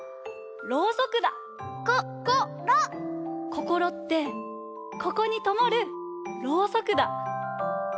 こころってここにともるろうそくだ。